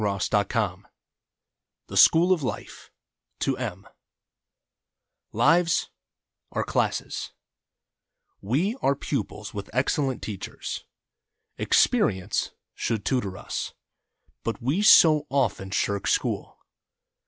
DAY DREAMS THE SCHOOL OF LIFE (ToM) Lives are classes — we are pupils with excellent teachers. Experience should tutor us, but we so often shirk school.